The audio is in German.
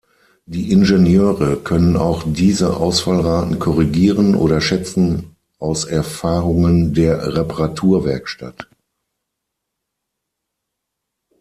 Die Ingenieure können auch diese Ausfallraten korrigieren oder schätzen aus Erfahrungen der Reparaturwerkstatt.